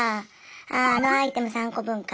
あああのアイテム３個分か。